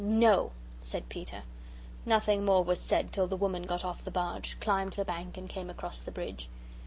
"NO," said Peter. Nothing more was said till the woman got off the barge, climbed the bank, and came across the bridge.